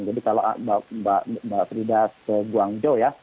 jadi kalau mbak frida ke guangzhou ya